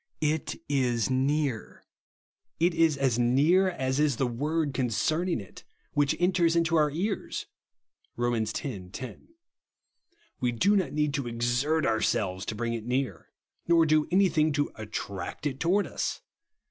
It is near. It is as near as is the OF THE SUBSTITUTE. 77 word coiicerning it, which enters into our ears (Rom. x. 10). We do not need to exert ourselves to bring it near ; nor to do any thing to attract it towards ns.